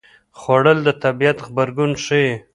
خوړل د طبیعت غبرګون ښيي